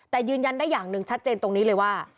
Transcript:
แต่ยืนยันได้อย่างหนึ่งชัดเจนตรงนี้เลยว่า